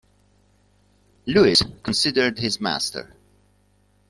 Lewis considered his master.